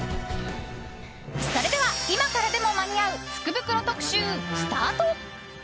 それでは、今からでも間に合う福袋特集、スタート！